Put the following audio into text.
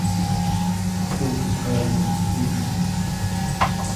Huk qhari puchun.